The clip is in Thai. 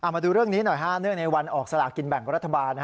มาดูเรื่องนี้หน่อยเนื่องในวันออกสลากินแบ่งรัฐบาล